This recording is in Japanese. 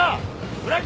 村木！